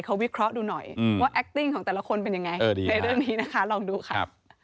เขาวิเคราะห์ดูหน่อยว่าแอคติ้งของแต่ละคนเป็นยังไงในเรื่องนี้นะคะลองดูค่ะ